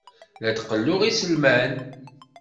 La d-qelluɣ iselman.